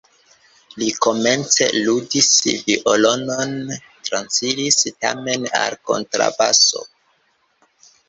Li komence ludis violonon, transiris tamen al kontrabaso.